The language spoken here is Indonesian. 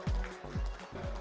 presiden jokowi mengatakan